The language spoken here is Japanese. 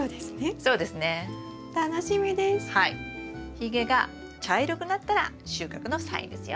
ひげが茶色くなったら収穫のサインですよ。